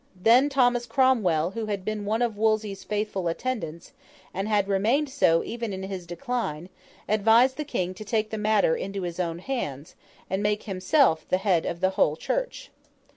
Then, Thomas Cromwell, who had been one of Wolsey's faithful attendants, and had remained so even in his decline, advised the King to take the matter into his own hands, and make himself the head of the whole Church.